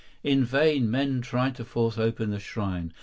In vain men tried to force open the shrine.